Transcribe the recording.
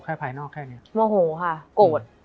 มันทำให้ชีวิตผู้มันไปไม่รอด